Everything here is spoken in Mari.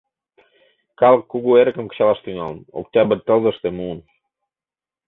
Калык кугу эрыкым кычалаш тӱҥалын, октябрь тылзыште муын.